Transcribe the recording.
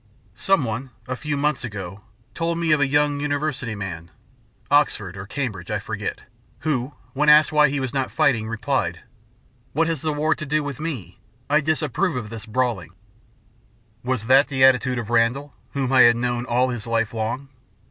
Someone, a few months ago, told me of a young university man Oxford or Cambridge, I forget who, when asked why he was not fighting, replied; "What has the war to do with me? I disapprove of this brawling." Was that the attitude of Randall, whom I had known all his life long?